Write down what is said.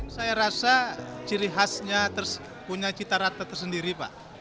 saya rasa ciri khasnya punya citarata tersendiri pak